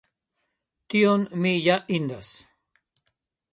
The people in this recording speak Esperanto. Tion mi ja indas.